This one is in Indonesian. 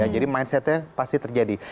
jadi mindsetnya pasti terjadi